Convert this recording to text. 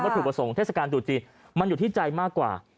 ถูกประสงค์เทศกาลตรุษจีนมันอยู่ที่ใจมากกว่า